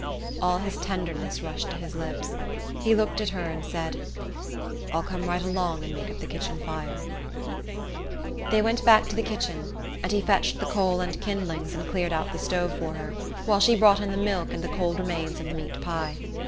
All his tenderness rushed to his lips. He looked at her and said: "I'll come right along and make up the kitchen fire." They went back to the kitchen, and he fetched the coal and kindlings and cleared out the stove for her, while she brought in the milk and the cold remains of the meat pie.